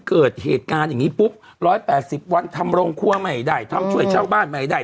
เกิดเหตุการณ์อย่างนี้ปุ๊บ๑๘๐วันทำโรงครัวไม่ได้ทำช่วยชาวบ้านไม่ได้